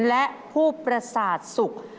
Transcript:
และผู้ประสาทสุข